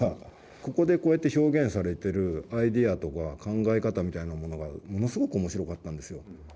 ここでこうやって表現されているアイデアとか考え方みたいなものがものすごく面白かったんですよ。